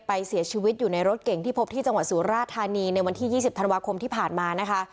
เสียชีวิตอยู่ในรถเก่งที่พบที่จังหวัดสุราธานีในวันที่๒๐ธันวาคมที่ผ่านมานะคะ